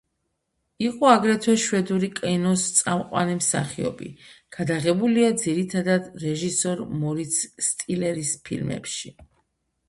იყო აგრეთვე შვედური კინოს წამყვანი მსახიობი, გადაღებულია ძირითადად რეჟისორ მორიც სტილერის ფილმებში.